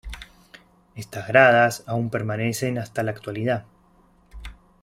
Estas gradas, aún permanecen hasta la actualidad.